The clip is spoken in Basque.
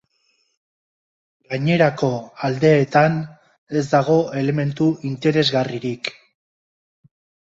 Gainerako aldeetan, ez dago elementu interesgarririk.